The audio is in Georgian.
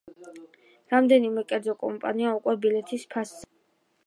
რამდენიმე კერძო კომპანია უკვე ბილეთის ფასზე საუბრობს.